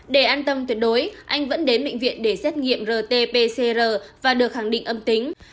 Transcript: để an tâm tuyệt đối anh vẫn đến bệnh viện để xét nghiệm rt pcr và được khẳng định âm tính